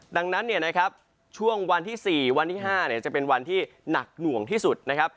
ดังนั้นเนี่ยนะครับช่วงวันที่๔วันที่๕จะเป็นวันที่หนักหน่วงที่สุดนะครับ